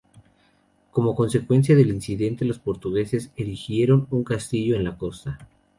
Como consecuencia del incidente, los portugueses erigieron un castillo en la costa.